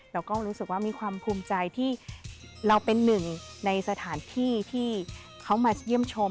เราก็รู้สึกว่ามีความภูมิใจที่เราเป็นหนึ่งในสถานที่ที่เขามาเยี่ยมชม